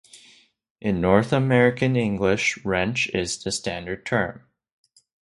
In North American English, "wrench" is the standard term.